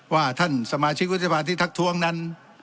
ว่าท่านสมาชิกวุฒิบาลที่ทักทวงนั้น